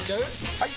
・はい！